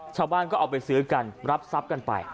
ชาวบ้านก็เอาไปซื้อกันรับทรัพย์กันไป